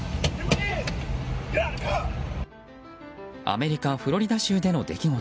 アメリカ・フロリダ州での出来事。